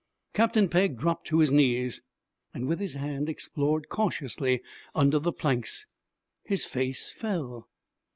Captain Pegg dropped to his knees, and with his hand explored cautiously under the planks. His face fell.